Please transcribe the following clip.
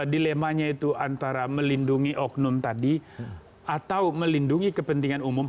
dilemanya itu antara melindungi oknum tadi atau melindungi kepentingan umum